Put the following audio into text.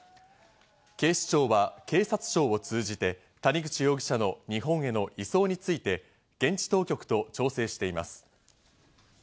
警視庁は警察庁を通じて谷口容疑者の日本への移送について現地当局と調整しています。